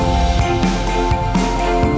hoãn vôn gi subir